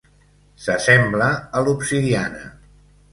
S'assembla a l'obsidiana.